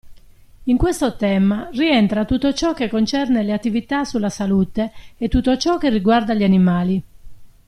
In questo tema rientra tutto ciò che concerne le attività sulla salute e tutto ciò che riguarda gli animali.